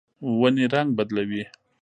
ونې رڼګ بدلوي